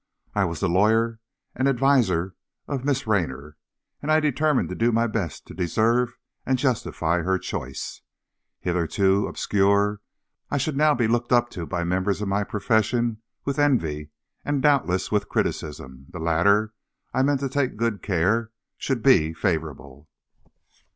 I was the lawyer and adviser of Miss Raynor, and I determined to do my best to deserve and justify her choice. Hitherto obscure, I should now be looked up to by members of my profession with envy and, doubtless, with criticism. The latter, I meant to take good care, should be favorable.